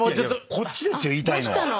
こっちですよ言いたいのは。